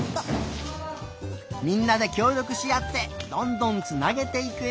みんなできょうりょくしあってどんどんつなげていくよ。